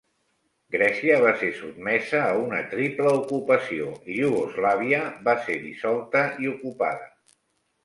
Grècia va ser sotmesa a una triple ocupació i Iugoslàvia va ser dissolta i ocupada.